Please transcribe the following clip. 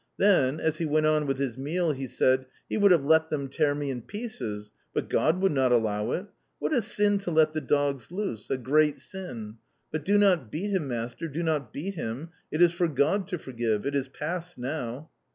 Then, as he went on with his meal, he said: "He would have let them tear me in pieces, but God would not allow it! What a sin to let the dogs loose a great sin! But do not beat him, master; do not beat him! It is for God to forgive! It is past now!"